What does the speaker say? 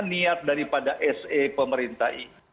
niat daripada sa pemerintah